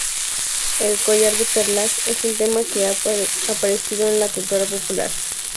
El "collar de perlas" es un tema que ha aparecido en la cultura popular.